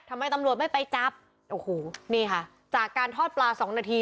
ทำไมตำรวจไม่ไปจับโอ้โหนี่ค่ะจากการทอดปลาสองนาที